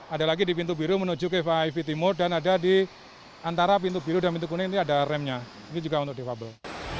ada lagi di pintu biru menuju ke vip timur dan ada di antara pintu biru dan pintu kuning ini ada remnya ini juga untuk defable